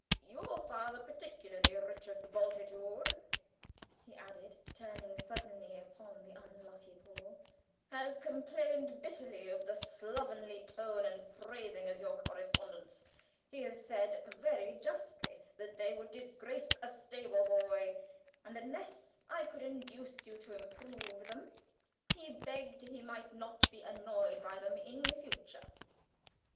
Your father particularly, Richard Bultitude," he added, turning suddenly upon the unlucky Paul, "has complained bitterly of the slovenly tone and phrasing of your correspondence; he said very justly that they would disgrace a stable boy, and unless I could induce you to improve them, he begged he might not be annoyed by them in future."